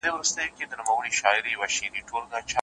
دا شپه پر تېرېدو ده څوک به ځي څوک به راځي.